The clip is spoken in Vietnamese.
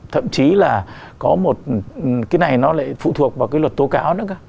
thậm chí là có một cái này nó lại phụ thuộc vào cái luật tố cáo nữa